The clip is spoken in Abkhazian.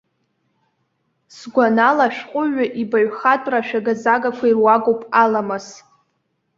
Сгәанала, ашәҟәыҩҩы ибаҩхатәра ашәага-загақәа ируакуп аламыс.